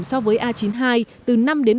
so với a chín mươi hai từ năm bảy